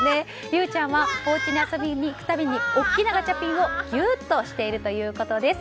莉結ちゃんはおうちに遊びに行くたび大きなガチャピンをぎゅーっとしているということです。